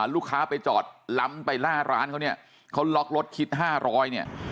ลูกค้าไปจอดล้ำไปล่าร้านเขาเนี่ยเขาล็อกรถคิด๕๐๐เนี่ย